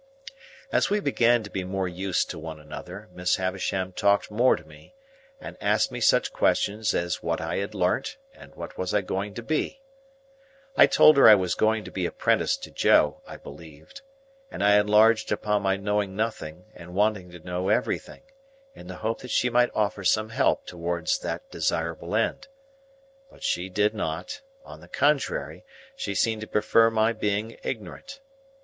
As we began to be more used to one another, Miss Havisham talked more to me, and asked me such questions as what had I learnt and what was I going to be? I told her I was going to be apprenticed to Joe, I believed; and I enlarged upon my knowing nothing and wanting to know everything, in the hope that she might offer some help towards that desirable end. But she did not; on the contrary, she seemed to prefer my being ignorant.